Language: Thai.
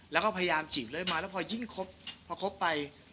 แล้วก็พยายามจีบเลยมาแล้วพอยิ่งคบพอคบไป